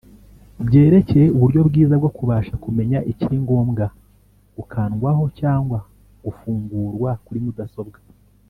byerekeye uburyo bwiza bwo kubasha kumenya ikiri ngombwa gukandwaho cyangwa gufungurwa kuri mudasobwa